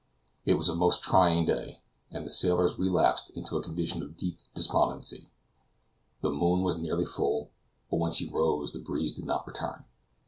It was a most trying day, and the sailors relapsed into a condition of deep despondency. The moon was nearly full, but when she rose the breeze did not return.